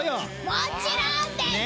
もちろんです！